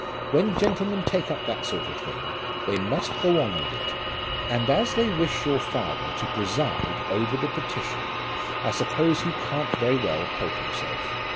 When gentlemen take up that sort of thing, they must go on with it. And as they wish your father to preside over the petition, I suppose he he can't very well help himself."